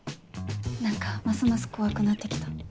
何かますます怖くなって来た。